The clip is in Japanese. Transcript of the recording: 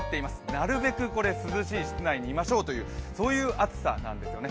なるべく涼しい室内にいましょうという、そういう暑さなんですね。